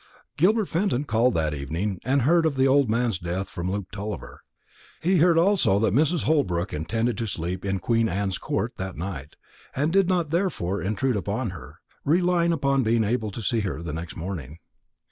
Gilbert Fenton called that evening, and heard of the old man's death from Luke Tulliver. He heard also that Mrs. Holbrook intended to sleep in Queen Anne's Court that night, and did not therefore intrude upon her, relying upon being able to see her next morning.